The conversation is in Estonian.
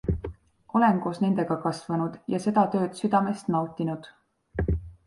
Olen koos nendega kasvanud ja seda tööd südamest nautinud.